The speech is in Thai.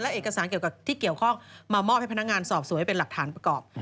และเอกสารที่เกี่ยวข้องมามอบให้พนักงานสอบสวยเป็นหลักฐานประกอบ